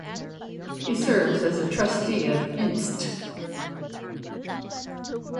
He serves as a Trustee of Inst.